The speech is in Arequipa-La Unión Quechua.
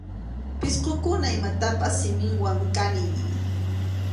Pisqukuna imatapas siminwan kaniy.